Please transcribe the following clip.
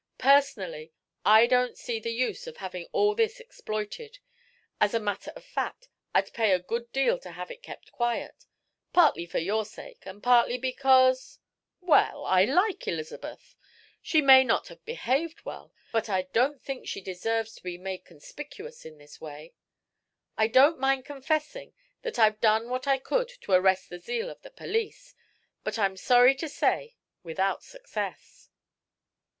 Personally, I don't see the use of having all this exploited as a matter of fact, I'd pay a good deal to have it kept quiet; partly for your sake, and partly because well, I like Elizabeth. She may not have behaved well, but I don't think she deserves to be made conspicuous in this way. I don't mind confessing that I've done what I could to arrest the zeal of the police, but I'm sorry to say, without success."